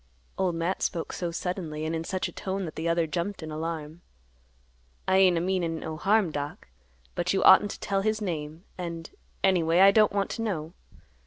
Old Matt spoke so suddenly and in such a tone that the other jumped in alarm. "I ain't a meanin' no harm, Doc; but you oughtn't to tell his name, and—anyway I don't want to know.